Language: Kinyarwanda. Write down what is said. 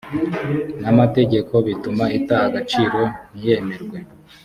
n’amategeko bituma ita agaciro ntiyemerwe